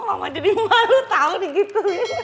mama jadi malu tau nih gitu